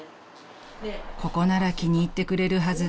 ［ここなら気に入ってくれるはず］